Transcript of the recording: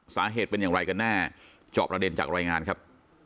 สาเหตุเป็นอย่างไรกันแน่จอบระเด็นจากรายงานครับ